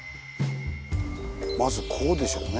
まずこうでしょうね。